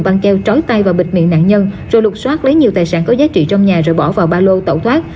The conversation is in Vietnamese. bằng kêu trói tay và bịt miệng nạn nhân rồi lục xoát lấy nhiều tài sản có giá trị trong nhà rồi bỏ vào ba lô tẩu thoát